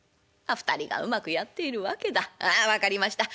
２人がうまくやっているわけだ。ああ分かりました。